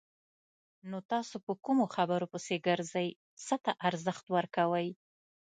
نو تاسو په کومو خبرو پسې ګرځئ! څه ته ارزښت ورکوئ؟